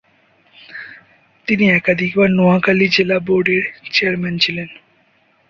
তিনি একাধিকবার নোয়াখালী জেলা বোর্ডের চেয়ারম্যান ছিলেন।